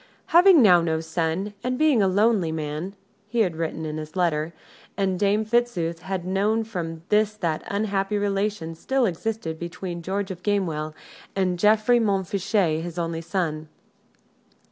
"Having now no son, and being a lonely man," he had written in his letter, and Dame Fitzooth had known from this that unhappy relations still existed between George of Gamewell and Geoffrey Montfichet, his only son.